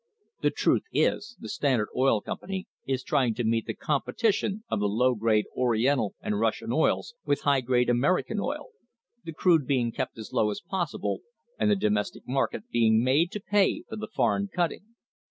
The truth is the Stand ard Oil Company is trying to meet the competition of the low grade Oriental and Russian oils with high grade American oil the crude being kept as low as possible, and the domestic market being made to pay for the foreign cutting.